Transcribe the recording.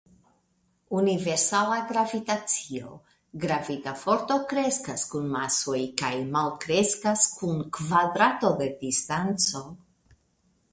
Universala Gravitacio: Gravita forto kreskas kun masoj kaj malkreskas kun kvadrato de distanco.